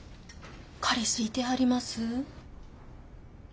彼氏いてはります？